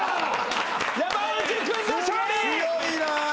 山内君の勝利！